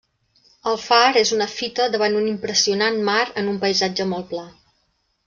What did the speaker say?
El far és una fita davant un impressionant mar en un paisatge molt pla.